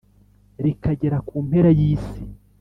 Rikagera ku mpera y`isi